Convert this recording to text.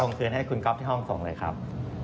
คืนให้คุณก๊อฟที่ห้องส่งเลยครับ